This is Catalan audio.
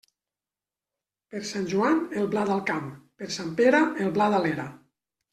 Per Sant Joan, el blat al camp; per Sant Pere, el blat a l'era.